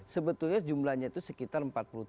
sebetulnya jumlahnya itu sekitar empat puluh tujuh